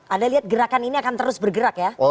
anda lihat gerakan ini akan terus bergerak ya